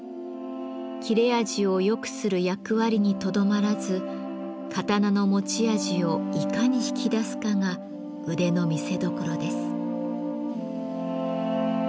切れ味を良くする役割にとどまらず刀の持ち味をいかに引き出すかが腕の見せどころです。